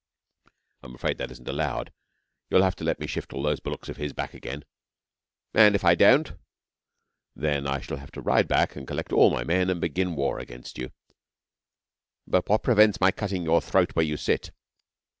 'I'm afraid that isn't allowed. You have to let me shift all those bullocks of his back again.' 'And if I don't?' 'Then, I shall have to ride back and collect all my men and begin war against you.' 'But what prevents my cutting your throat where you sit?